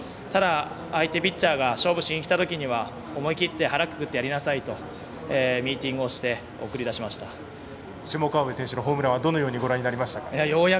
ただ、相手ピッチャーが勝負しにきたときには思い切って腹をくくってやりなさいとミーティングをして下川邊選手のホームランはどのようにごらんになりましたか？